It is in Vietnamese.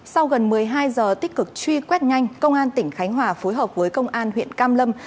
sau gần một mươi hai giờ tích cực truy quét nhanh công an tỉnh khánh hòa phối hợp với công an huyện cam lâm